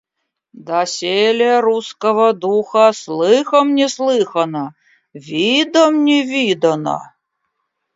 Доселе русскаго духа слыхом не слыхано, видом не видано.